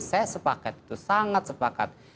saya sepakat itu sangat sepakat